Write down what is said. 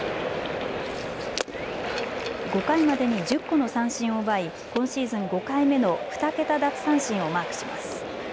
５回までに１０個の三振を奪い今シーズン５回目の２桁奪三振をマークします。